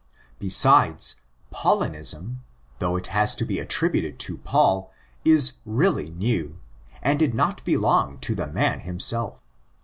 Besides, '' Paulinism," though it has to be attributed to Paul, is really new, and did not belong to the man himself.